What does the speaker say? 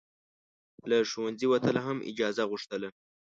له ښوونځي وتل هم اجازه غوښتله.